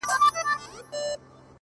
ستا د خولې خبري يې زده كړيدي.!